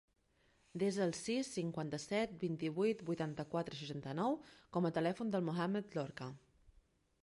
Desa el sis, cinquanta-set, vint-i-vuit, vuitanta-quatre, seixanta-nou com a telèfon del Mohammed Lorca.